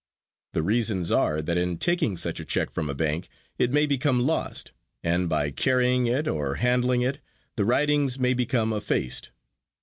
The reasons are that in taking such a check from a bank it may become lost, and by carrying it or handling it the writings may become effaced.